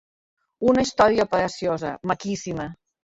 Una història preciosa, maquíssima.